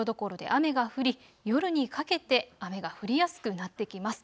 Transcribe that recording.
そして夕方はところどころで雨が降り夜にかけて雨が降りやすくなってきます。